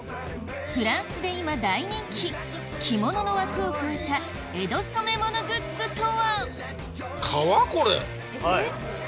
フランスで今大人気着物の枠を超えた江戸染め物グッズとは？